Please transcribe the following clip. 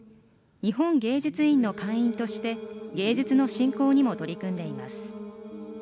日本芸術院の会員として芸術の振興にも取り組んでいます。